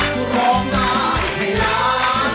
คุณร้องได้ไข่ล้าง